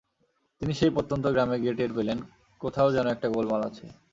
তিনি সেই প্রত্যন্ত গ্রামে গিয়ে টের পেলেন, কোথাও যেন একটা গোলমাল আছে।